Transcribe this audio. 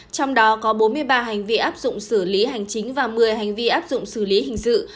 trong đó có bốn mươi ba hành vi áp dụng xử lý hành chính và một mươi hành vi áp dụng xử lý hình sự